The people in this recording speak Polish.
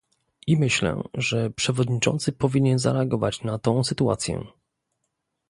I myślę, że przewodniczący powinien zareagować na tą sytuację